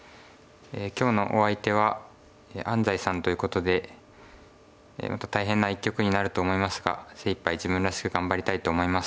今日のお相手は安斎さんということでまた大変な一局になると思いますが精いっぱい自分らしく頑張りたいと思います。